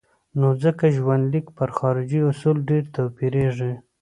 نو ځکه ژوندلیک پر خارجي اصل ډېر توپیرېږي.